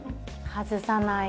外さない。